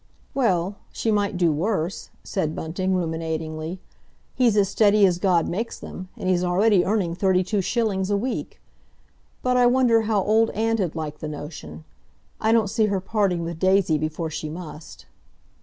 "Well, she might do worse," said Bunting ruminatingly. "He's as steady as God makes them, and he's already earning thirty two shillings a week. But I wonder how Old Aunt'd like the notion? I don't see her parting with Daisy before she must."